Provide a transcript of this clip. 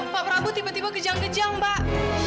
pak prabowo tiba tiba kejang kejang mbak